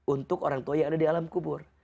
untuk orang tua yang ada di alam kubur